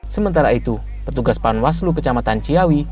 sementara itu petugas panwaslu kecamatan ciawi